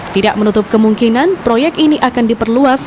tidak menutup kemungkinan proyek ini akan diperluas